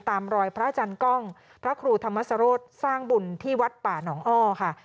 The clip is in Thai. ตามรอยพระอาจารย์กล้องพระครูธรรมสโรธสร้างบุญที่วัดป่าหนองอ้อค่ะ